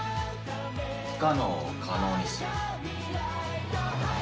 不可能を可能にする。